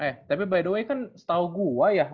eh tapi by the way kan setahu gue ya